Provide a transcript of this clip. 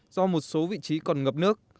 do một số vị trí còn ngập nước